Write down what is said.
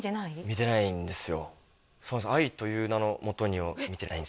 見てないんですよ